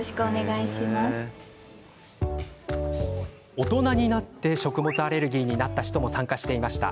大人になって食物アレルギーになった人も参加していました。